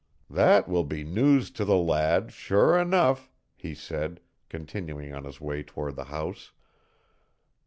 "That will be news to the lad, sure enough," he said, continuing on his way toward the house.